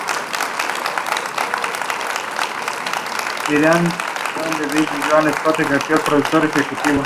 Y aunque logró hacerse nombrar por Garibaldi pro-dictador, no logró concluir el acuerdo.